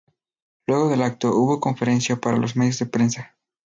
Luego del acto, hubo conferencia para los medios de prensa.